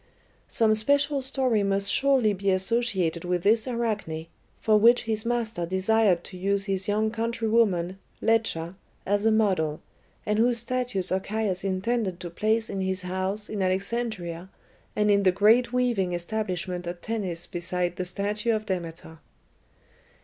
Some special story must surely be associated with this Arachne, for which his master desired to use his young countrywoman, Ledscha, as a model, and whose statues Archias intended to place in his house in Alexandria and in the great weaving establishment at Tennis beside the statue of Demeter.